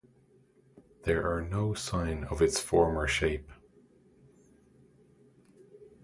There are no sign of its former shape.